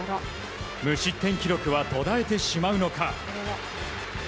無失点記録は途絶えてしまうのか。